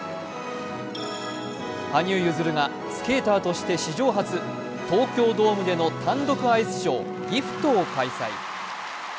羽生結弦がスケーターとして史上初、東京ドームでの単独アイスショー「ＧＩＦＴ」を開催。